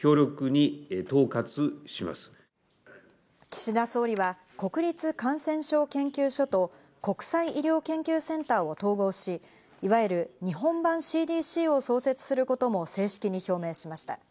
岸田総理は国立感染症研究所と国際医療研究センターを統合し、いわゆる日本版ＣＤＣを創設することも正式に表明しました。